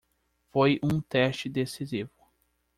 Foi um teste decisivo.